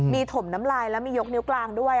มีถมน้ำลายแล้วมียกนิ้วกลางด้วย